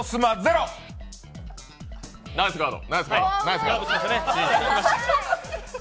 ナイスカード。